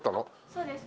そうです。